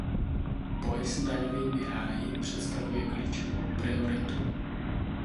Boj s daňovými ráji představuje klíčovou prioritu.